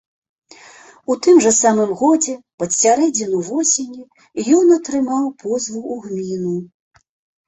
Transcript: У тым жа самым годзе, пад сярэдзіну восені, ён атрымаў позву ў гміну.